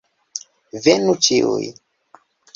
Venu ĉiuj!